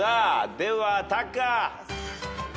ではタカ。